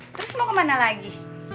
terus mau kemana lagi